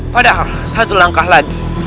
padahal satu langkah lagi